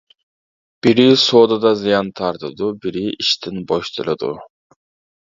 بىرى سودىدا زىيان تارتىدۇ، بىرى ئىشتىن بوشىتىلىدۇ.